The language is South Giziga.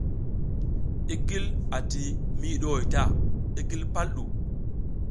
I gil ati miyi ɗuhoy ta, i gil pal ɗu.